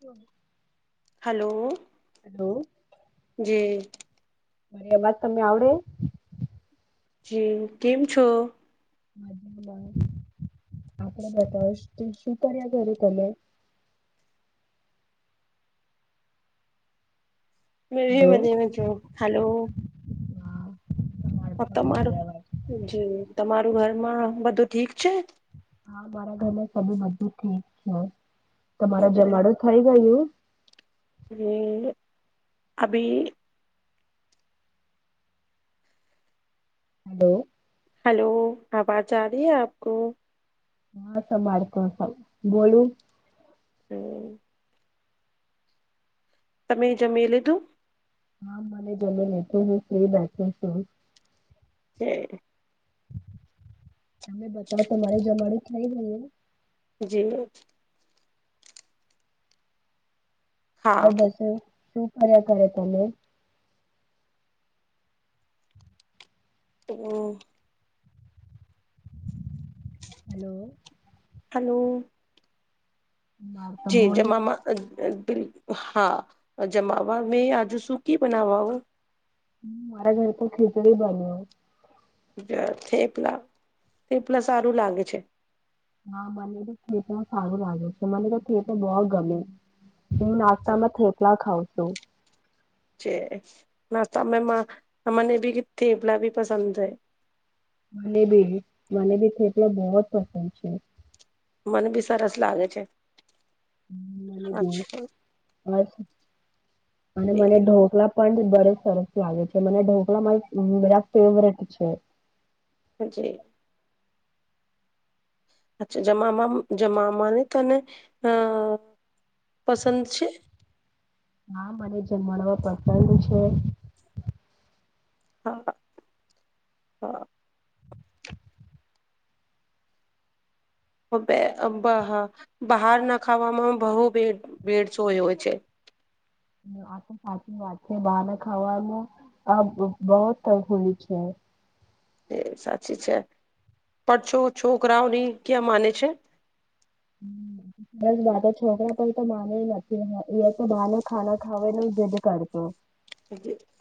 હ hello. Hello. જી. એમાં જ તમને આવડે? જી કેમ છો? [inaudible] આપણે બધા જ તું શું કરયા કરે કલર? Hello [unintelligible] hello. હ તમારી તમારું અવાજ જી તમારું ઘરમાં બધું ઠીક છે? હા મારા ઘર [unintelligible] બધું ઠીક છે. તમારા જમાડું થઈ ગયું? યે અભી હલો હેલો આવાજ આવી આપકો? હા સમાર કો સમ બોલું. હમ્મ. તમે જમી લીધું? હા મને જમી લીધું લેતી હું ફ્રી બેઠી છું. છે. તમે બતાવો તમારે જમાડુ થઈ ગયું? જીમુ હા દસે શું કર્યા કરે તમે? હું હલો હલો. માર તો જી બોલું જમામાં અ બિ હા જમમામા મે આજ સુકી બનાવા મારા ઘરે તો ખીચડી બન્યો. થેપલા થેપલા સારું લાગે છે. હા, મને તો ખેતમાં સારું લાગે છે, મને તો ખેત બહ ગમે હું નાસ્તામાં થેપલા ખાવ છું, છે નાસ્તા મને ભી કથી પલા ભી પસંદ છે, મને ભી મને બી ખેપલો બહુ જ પસંદ છે, મન બી સરસ લાગે છે, મ બી અચ્છા અને મને ઢોકલા પણ બ સરસ લાગે છે, મને ઢોકળા મા બરા ફેવરેટ છે, હ જી અચ્છા જમાવામાં જમામાની તને અ પસંદ છે, હા, મને જન્માડવા પસંદ છે, હા હા હ બહાર ના ખાવામાં બહુ ભ ભેડસોયો છે, આ તો સાચી વાત છે, બહાર ખાવાનું આ બહફુલી છે, એ સાચી છે, પણ છો છોકરાઓની ક્યાં માને છે, સરસ વાતો છોકરા પર તો માને નથી, એ તો બાને ખાના ખાવને જદ કરતો.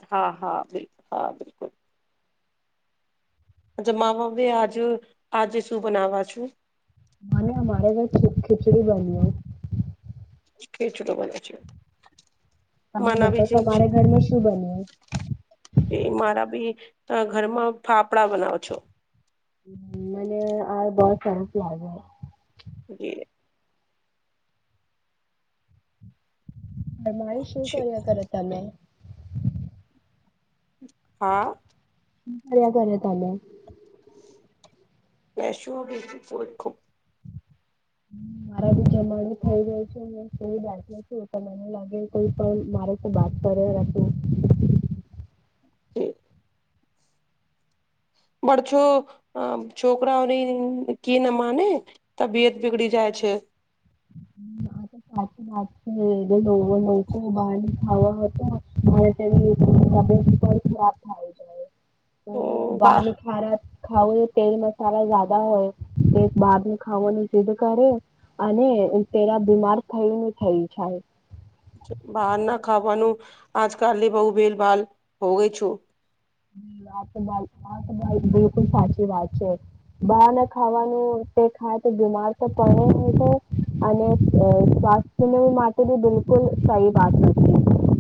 હા હા બિકુ હા બિલકુલ અચ્છા મામાભ આજ આજે શું બનાવા છુ, મને અમારે ઘર છૂપ ખિચડી બની કે છોટ બ છ તમે બતા તમારે ઘરમાં શું બન્યું? તારા ઘરમાં ફાફડા બનાવો છો [unintelligible] જી [unintelligible] શું કર્યા કરે તમે હા હું કર્યા કરે તમે [inaudible] મારા ભી જમાનું થઈ ગય છે, હખ્યો છું તો મને લાગે કોઈ પણ મારે તો બાત કરે હતું, જે બળછો અ છોકરાઓની કી ના માને તબિયત બીગડી જાય છે, આ તો સાચી વાત છે, લોકો બહાર [inaudible] બા [inaudible] ખાવું એ તેલ મસાલા જાદા હોય, તો બહાર ન ખાાવનું સિદ્ધ કરે અને તેરા બીમાર થઈને થઈ જાય, બહાર ના ખાવાનું આજકાલની બો ભેલભાલ હો ગઈ છું, આ તો ભાઈ આ તો ભાઈ બિલકુલ સાચી વાત છે, બાર ના ખાવાનું તે ખાય તો બીમાર તો પડે ને અને સ્વાસ્થ્ય માટે ભી બિલકુલ સહી વાત નથી,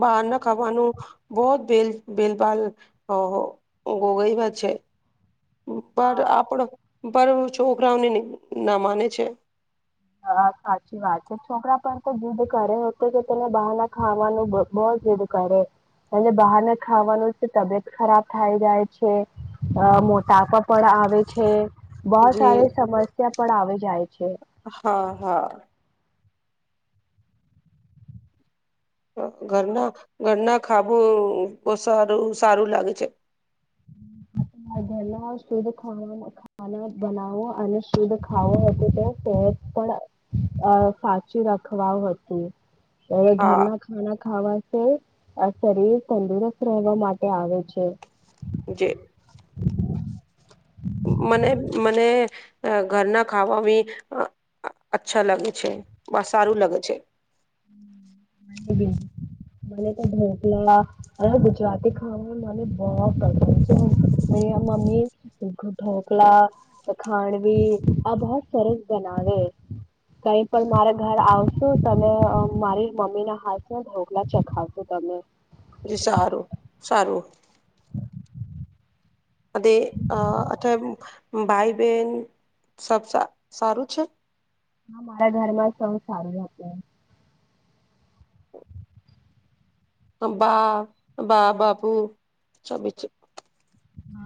બહાર ના ખાવાનું બો જ ભલ ભેલભાલ ગોગઈ છે, પર હા આપડો બરાબર છોકરાઓને ના માને છે, હા સાચી વાત છે, છોકરા પણ તો જીદ કરે તો કે તેને બહાર ના ખાવાનું બો જીદ્દ કરે, અને બહાર ના ખાવાનું તબિયત ખરાબ થાય જાય છે, અ મો તાપા પણ આવે છે, બો જે સારી સમસ્યા પણ આવે છે, જાય છે હા હા ઘરના ઘરના ખાબું બો સારું સારું લાગે છે. ઘર શુદ્ધ ખાવાનું [inaudible] બનાવો અને શુદ્ધ ખાવા [inaudible] હવે ધારી હા રાખ ખાવાસે અ શરીર તંદુરસ્ત રહેવા માટે આવે છે. જે, મને મને અ ઘરના ખાવા ભી અ અચ્છા લાગે છે, સારું લાગે છે. મને તો ઢોકળ હવે ગુજરાતી ખાવા મને બો પસંદ છે. મમ્મી ઢોકળા, ખાંડવી આ બો સરસ બનાવે કઈ પણ મારા ઘર આવશો તમે અ મારી મમ્મી ના હાથના ઢોકલા ચખાવસુ તમને. જે સારું સારું અને અ અથવા ભાઈ બેન સબ સા સારું છે? હા મારા ઘરમાં સૌ સારું હતું. બા બા બાપુ [unintelligible]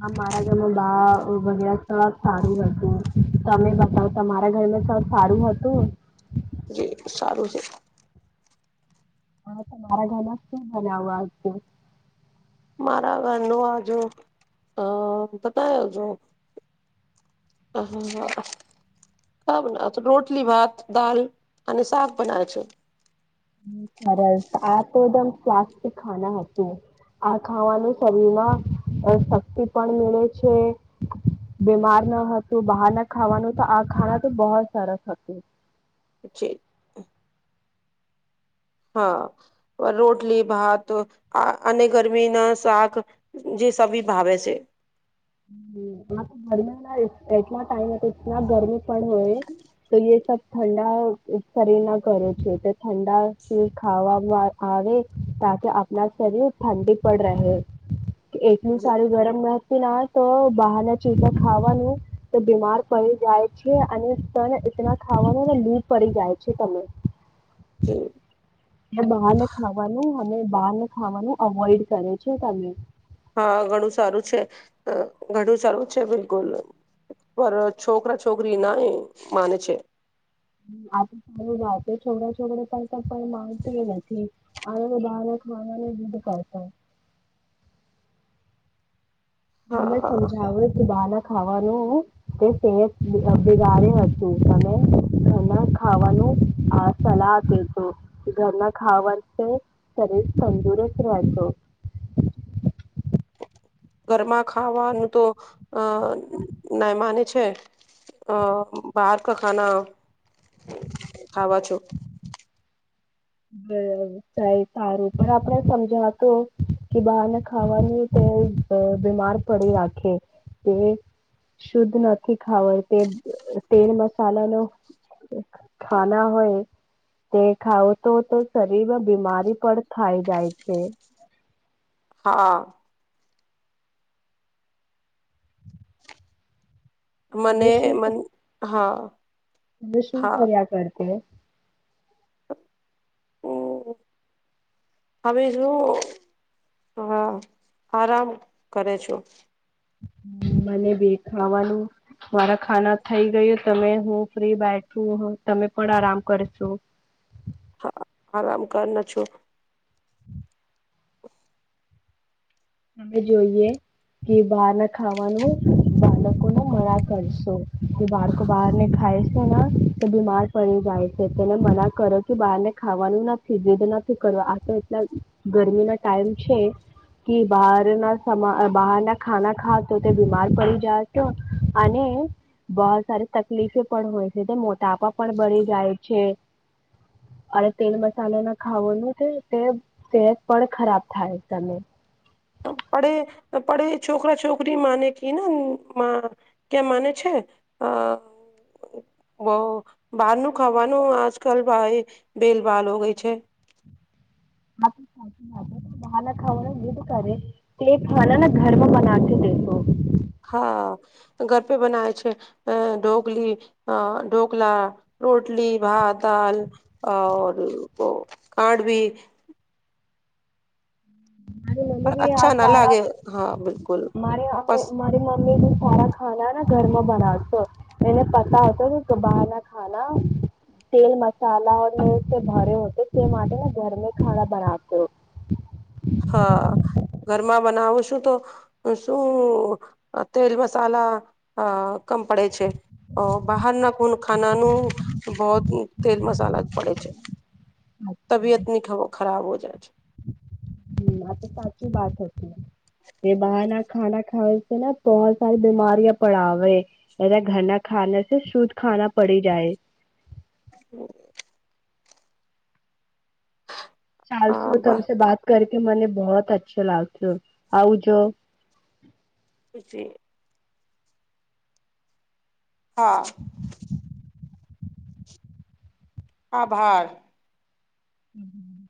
હા મારા ઘરમાં બા ભાઈયા સબ સારું હતું. તમે બતાવ તમારા ઘરમાં સબ સારું હતું? જી સારું છે. હા તમારા ઘરમાં શું બનાવવા [inaudible] મારા ઘરમાં આજે અ [inaudible] રોટલી, ભાત, દાલ અને શાક બનાવે છે. સરસ આ તો એકદમ સ્વાસ્થ્ય ખાના હતું. આ ખાવાનું શરીરમાં શક્તિ પણ મળે છે, બીમાર ન હતું બહાર ના ખાવાનું તો આ ખાના તો બો જ સરસ હતું. પછી હા અ રોટલી, ભાત આ અને ગરમીના શાક જે સભી ભાવે છે. તો ગરમીના એટલા ટાઈમે એટલા ગરમી પણ હોય તો એ સ ઠંડા શરીર ના કરે છે તો ઠંડા ખાવા આવે તા કે આપણા શરીર ઠંડી પણ રહે. કે એટલું સારું ગરમ પન આ તો બહારના ચીજ ખાવાનું તો બીમાર પડી જાય છે અને તન ખાવાનું ને લૂટ પડી જાય છે તમે. [unintelligible] એ બહાર ને ખાવાનું અમે બહાર ને ખાવાનું અવોઈડ કરે છે તમે. હા ઘણું સારું છે, ઘણું સારું છે, બિલકુલ પર છોકરા છોકરી ના માને છે. આ તો સારું જા છોકરા છોકરા પણ પણ માગતી નથી આ બધારે ખાવાનું બધ કરતા. તમે હા સમજાવો કે બાલાક ખાવાનું તે સત બગાડી હતું તમે ઘરના ખાવાનું અ સલાહ આપે છો ઘરના ખાવા થી શરીર તંદુરસ્ત રહેશે. ઘરમાં ખાવાનું તો અ ના માને છે છે અ બહાર કા ખાના ખાવા છો. બબ સારુ સારું પણ આપણે સમજાતું કે બહારને ખાવાનું તે બીમાર પડી રાખે તે શુદ્ધ નથી ખાવ તે તેલ મસાલા નો ખાના હોય તે ખાવો તો તો શરીરમાં બીમારી પણ થાય જાય છે. હા. મને મન હા [unintelligible] અને શું હા કર્યા કર? [unintelligible] હમ્મ હમે શું હ આરામ કરો છો? મને ભી ખાવાનું મારા ખાના થઈ ગયું તમે હું ફ્રી બેઠું તમે પણ આરામ કરશો. હા આરામ કર ના છું, અમે જોઈએ, કે બહાર ના ખાવાનું બાળકો ન મ કરશો, તે બહાર કો બહાર ખાાય તો બીમાર પડી જાય છે, તેને મના કરો કે બહારને ખાવાનું નથી વેદ નથી કરવા આ તો એટલા ગરમી ના ટાઈમ છે, બાર બહાર ના ખાના ખા તો તે બીમાર પડી જાય, તો અને બહ સારી તકલીફ પણ હોય છે, તે મોટાપા પણ બળી જાય છે, અને તેલ મસાાલો ના ખાવાનું છે, તે સત પણ ખરાબ થાય તમે પડે પડે છોકરા છોકરી માને ક ના ક્યા માને છે, બહ બારનું ખાવાનું આજકાલ ભેલભાલ હો ગઈ છે, [unintelligible] હા, ઘર પે બનાય છે, અ ઢકલી અ ઢકલા રોટલી ભાત દાલ કાઢવીી મારી મમ્મી પણ ભી આ અચ્છા ના સારા લાગે હા બિલકુલ મા બસ મારી મમ્મી ભી સારા ખા ઘરમાં બનાતો મને પતાતા કે દબારના ખ તેલ મસાલા ભરે હો તે માટે ઘર ખ બનાતો હા ઘરમાં બનાવો છું, તો શું તેલ મસાલા કમ પડે છે, બહારના ખ ખાનાનું બહ તેલ મસાલા જ પડે છે, તબીયતની ખબો ખરાબ હો જાય છે, હમ આ તો સાચી વાત હશે, એ બહાર ના ખાના ખાવ છે, ને બહ સારી બીમારીઓ પડ આવે એના ઘરના ખાના છે શુદ્ધ ખાના પડી જાય, હમ્મ ચાલસો હા બ તમ બાત કર મને બહત અચ્છા લાગ આવ જો, પછી હા આભાર હમ્મ